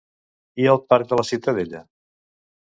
I al parc de la Ciutadella?